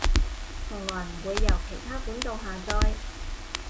從來唔會由其它管道下載